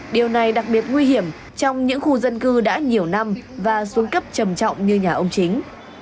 điều này đặc biệt nguy hiểm trong những khu dân cư đã nhiều năm và xuống cấp trầm trọng như nhà ông chính